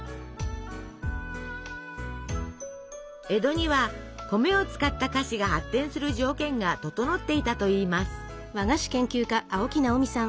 江戸には米を使った菓子が発展する条件が整っていたといいます。